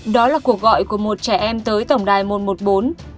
đó là cuộc gọi của một trẻ em tới tổng đài môn một mươi bốn